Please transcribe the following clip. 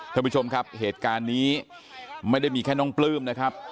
ท่านผู้ชมครับเหตุการณ์นี้ไม่ได้มีแค่น้องปลื้มนะครับ